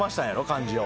漢字を。